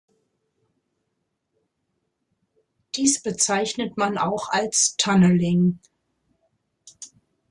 Dies bezeichnet man auch als Tunneling.